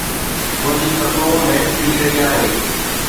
منهنجي پتلون هيٺ ڪري رهي آهي